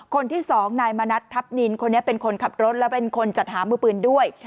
คนที่สองนายมณัฐทัพนินคนนี้เป็นคนขับรถและเป็นคนจัดหามือปืนด้วย